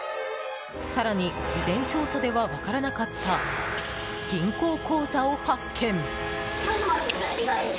更に事前調査では分からなかった銀行口座を発見。